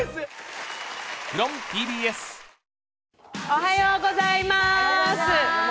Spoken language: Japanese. おはようございます。